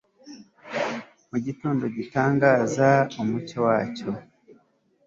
Mugitondo gitangaza umucyo wacyo